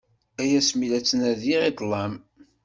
Ay ass mi la ttnadiɣ i ṭṭlam.